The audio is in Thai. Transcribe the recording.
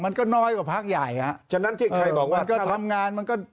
มันก็น้อยกว่าพักใหญ่อะ